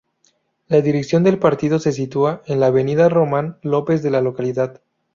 La dirección del partido se sitúa en la Avenida Román López de la localidad.